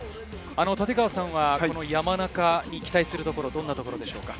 立川選手は、山中に期待するところはどんなところでしょうか？